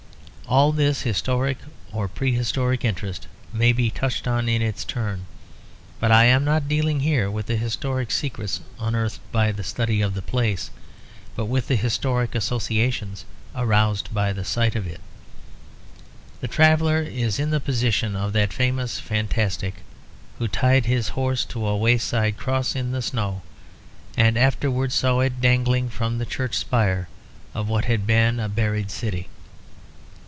All this historic or pre historic interest may be touched on in its turn; but I am not dealing here with the historic secrets unearthed by the study of the place, but with the historic associations aroused by the sight of it. The traveller is in the position of that famous fantastic who tied his horse to a wayside cross in the snow, and afterward saw it dangling from the church spire of what had been a buried city.